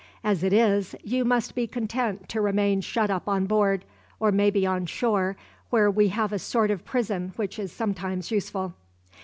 As it is, you must be content to remain shut up on board, or maybe on shore, where we have a sort of prison which is sometimes useful."